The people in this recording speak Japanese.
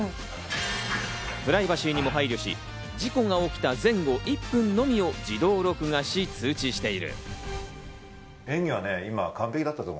プライバシーにも配慮し、事故が起きた前後１分のみを自動録画し、通知している。